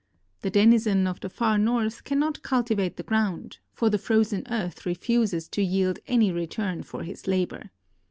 The denizen of tlie far nortli cannot cultivate the ground, for the frozen earth refuses to yield any return for liis labor.